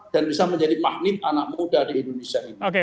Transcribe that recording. dan bisa menjadi makhluk anak muda di indonesia ini